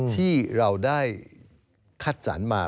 ที่เราได้คัดสรรมา